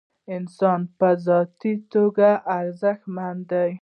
انسان په ذاتي توګه ارزښتمن دی.